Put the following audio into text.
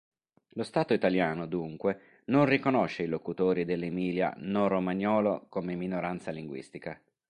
Lo Stato italiano dunque non riconosce i locutori dell'emiliano-romagnolo come minoranza linguistica.